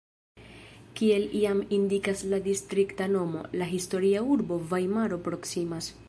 Kiel jam indikas la distrikta nomo, la historia urbo Vajmaro proksimas.